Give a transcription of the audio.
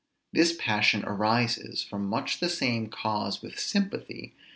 This passion arises from much the same cause with sympathy.